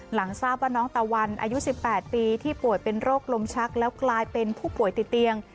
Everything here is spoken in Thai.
หลังทราบว่าน้องตะวันอายุ๑๘ปีที่ป่วยเป็นโรคลมชักแล้วกลายเป็นผู้ป่วยติดเตียง